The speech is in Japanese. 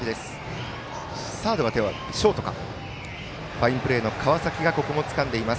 ファインプレーの川崎がつかんでいます。